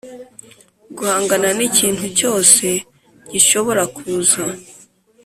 guhangana n'ikintu cyose gishobora kuza,